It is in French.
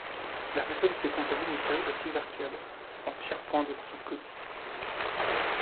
La façade était composée d'une série de six arcades en tiers-point de style gothique.